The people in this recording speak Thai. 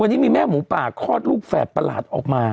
วันนี้มีแม่หมูป่าคลอดลูกแฝดประหลาดออกมา